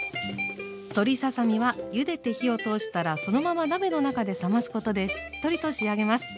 鶏ささ身はゆでて火を通したらそのまま鍋の中で冷ますことでしっとりと仕上げます。